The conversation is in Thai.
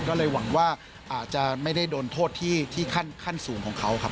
ก็เลยหวังว่าอาจจะไม่ได้โดนโทษที่ขั้นสูงของเขาครับ